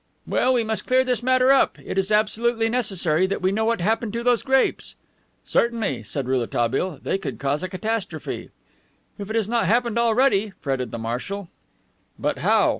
"Well, we must clear this matter up. It is absolutely necessary that we know what happened to those grapes." "Certainly," said Rouletabille, "they could cause a catastrophe." "If it has not happened already," fretted the marshal. "But how?